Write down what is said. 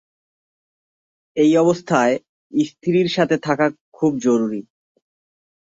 এই অবস্থায়, স্ত্রীর সাথে থাকা খুব জরুরী।